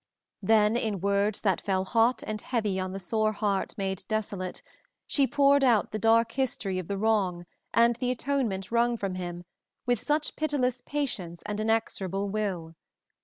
Then, in words that fell hot and heavy on the sore heart made desolate, she poured out the dark history of the wrong and the atonement wrung from him with such pitiless patience and inexorable will.